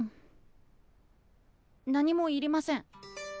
何もいりません。